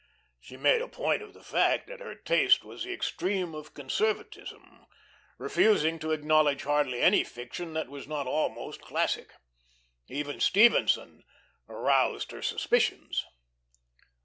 She made a point of the fact that her taste was the extreme of conservatism, refusing to acknowledge hardly any fiction that was not almost classic. Even Stevenson aroused her suspicions.